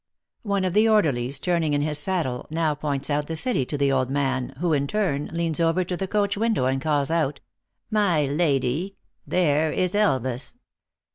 One of the orderlies, turning in his saddle, now points out the city to the old man, who, in turn, leans over to the coach window, and calls out, " My lady, there is Elvas